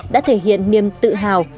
đã thể hiện niềm tự hào